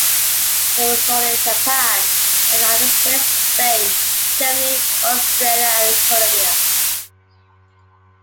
They were sold in Japan, the United States, Spain, Germany, Australia, and Colombia.